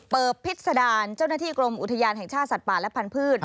พิษดารเจ้าหน้าที่กรมอุทยานแห่งชาติสัตว์ป่าและพันธุ์